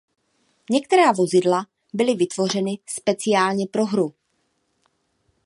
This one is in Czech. Některá vozidla byly vytvořeny speciálně pro hru.